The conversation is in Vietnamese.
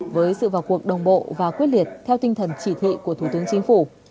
với sự vào cuộc đồng bộ và quyết liệt theo tinh thần chỉ thị của thủ tướng chính phủ